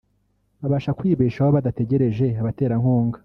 babasha kwibeshaho badategereje abaterankunga